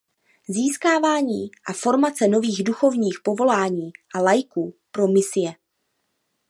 Získávání a formace nových duchovních povolání a laiků pro misie.